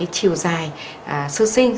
chiều dài sơ sinh